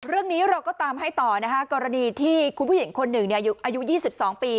เรื่องนี้เราก็ตามให้ต่อนะคะกรณีที่คุณผู้หญิงคนหนึ่งอายุ๒๒ปี